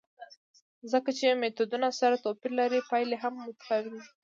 ځکه چې میتودونه سره توپیر لري، پایلې هم متفاوتې دي.